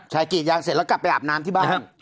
ใช่กรีดยางเสร็จแล้วกลับไปอาบน้ำที่บ้าน